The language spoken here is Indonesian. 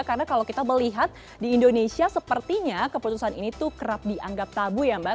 karena kalau kita melihat di indonesia sepertinya keputusan ini tuh kerap dianggap tabu ya mbak